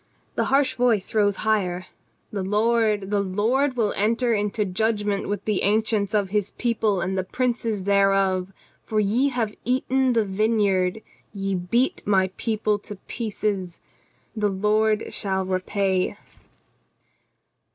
The harsh voice rose higher: "The Lord, the Lord will enter into judgment with the ancients of His people and the princes thereof: For ye have eaten the vineyard, ye beat my people to pieces. The Lord shall repay."